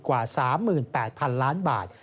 กว่า๓๘๐๐๐ล้านบาท